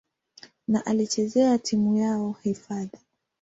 na alichezea timu yao hifadhi.